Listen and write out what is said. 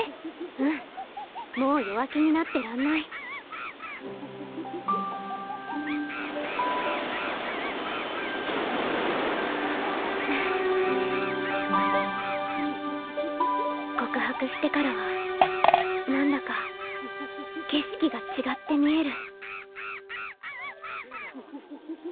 うんもう弱気になってらんない告白してからは何だか景色が違って見える